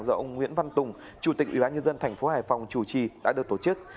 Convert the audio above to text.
do ông nguyễn văn tùng chủ tịch ủy ban nhân dân thành phố hải phòng chủ trì đã được tổ chức